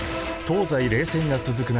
東西冷戦が続く